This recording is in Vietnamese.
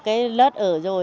cái lớt ở rồi